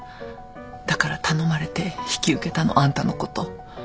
だから頼まれて引き受けたのあんたのこと。